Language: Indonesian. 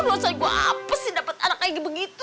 nggak usah gue hapus sih dapet anak kayak gitu begitu